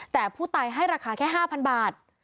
แต่ผู้ตายให้ราคาแค่๕๐๐บาท